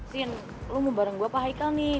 fin lu mau bareng gua apa haika nih